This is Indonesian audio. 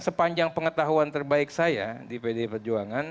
sepanjang pengetahuan terbaik saya di pdi perjuangan